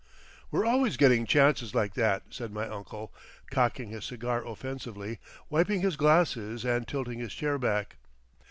"We're always getting chances like that," said my uncle, cocking his cigar offensively, wiping his glasses and tilting his chair back.